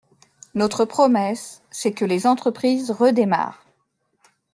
Notre promesse, c’est que les entreprises redémarrent.